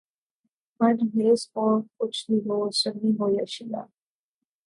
من حیثء قوم کچھ بھی ہو، سنی ہو یا شعیہ